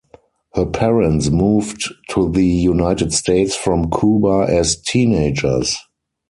Her parents moved to the United States from Cuba as teenagers.